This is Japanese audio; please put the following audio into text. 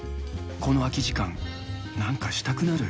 この空き時間、なんかしたくなる。